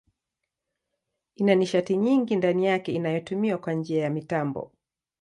Ina nishati nyingi ndani yake inayotumiwa kwa njia ya mitambo.